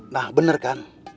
nah bener kan